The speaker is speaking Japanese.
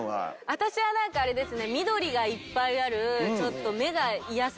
私はなんかあれですね。